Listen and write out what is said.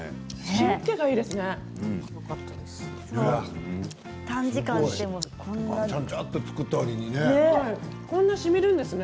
塩けがいいですね。